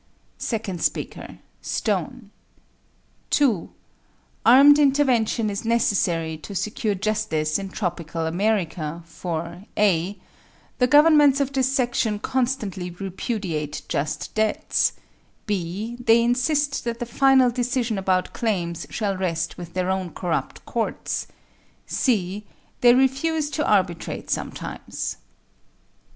Second speaker Stone 2. Armed intervention is necessary to secure justice in tropical America, for (a) The governments of this section constantly repudiate just debts (b) They insist that the final decision about claims shall rest with their own corrupt courts (c) They refuse to arbitrate sometimes.